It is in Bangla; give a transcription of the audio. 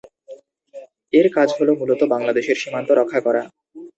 এর কাজ হল মূলত বাংলাদেশের সীমান্ত রক্ষা করা।